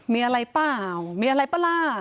มีอะไรเปล่ามีอะไรป่ะล่ะ